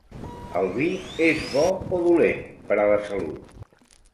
El vi és bo o dolent per a la salut?